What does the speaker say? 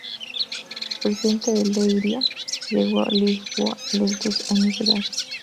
Procedente de Leiria, llegó a Lisboa a los dos años de edad.